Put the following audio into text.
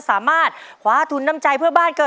โดยการแข่งขาวของทีมเด็กเสียงดีจำนวนสองทีม